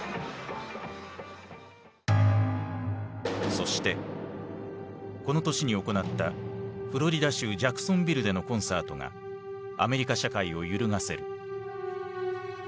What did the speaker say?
そしてこの年に行ったフロリダ州ジャクソンビルでのコンサートがアメリカ社会を揺るがせる。